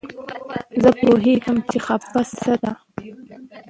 زه پوهېږم چې څپه څه ده.